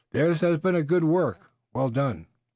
Theirs has been a good work, well done."